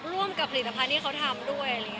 ร่วมกับผลิตภัณฑ์ที่เขาทำด้วย